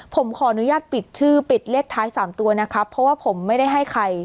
ผมขออนุญาตปิดชื่อปิดเลขท้าย๓ตัวนะครับเพราะว่าผมไม่ได้ให้ใคร